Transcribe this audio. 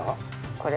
これ。